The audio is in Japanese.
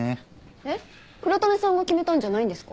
えっ黒種さんが決めたんじゃないんですか？